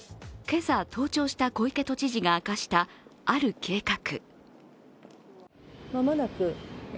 今朝、登庁した小池都知事が明かした、ある計画。